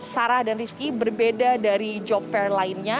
sarah dan rizky berbeda dari job fair lainnya